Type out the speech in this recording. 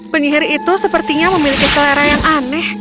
penyihir itu sepertinya memiliki selera yang aneh